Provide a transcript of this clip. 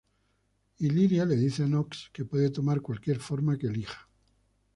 Illyria le dice a Knox que puede tomar cualquier forma que elija.